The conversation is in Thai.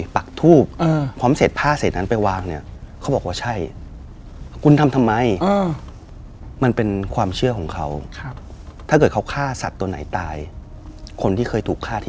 ปักทูบพร้อมเสร็จผ้าเสร็จนั้นไปวางเนี่ย